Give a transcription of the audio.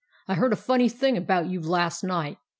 "I heard a funny thing about you last night.